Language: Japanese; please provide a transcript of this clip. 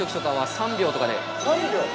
◆３秒！